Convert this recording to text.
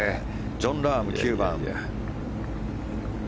ジョン・ラーム、９番。